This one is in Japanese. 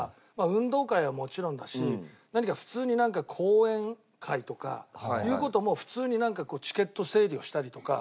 運動会はもちろんだし何か普通に講演会とかいう事も普通になんかチケット整理をしたりとか。